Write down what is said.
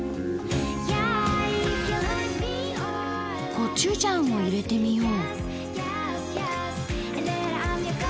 コチュジャンを入れてみよう。